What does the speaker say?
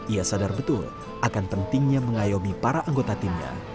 ia sadar betul akan pentingnya mengayomi para anggota timnya